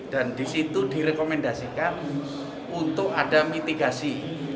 dan disitu direkomendasikan untuk ada mitigasi